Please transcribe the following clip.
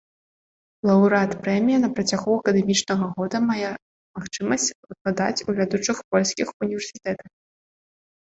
Лаўрэат прэміі на працягу акадэмічнага года мае магчымасць выкладаць у вядучых польскіх універсітэтах.